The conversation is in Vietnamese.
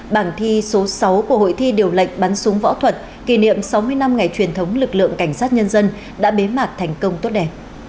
bảng thi số sáu của hội thi điều lệnh bắn súng võ thuật kỷ niệm sáu mươi năm ngày truyền thống lực lượng cảnh sát nhân dân đã bế mạc thành công tốt đẹp